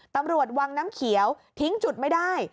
ตำรวจวังน้ำเขียวทิ้งจุดไม่ได้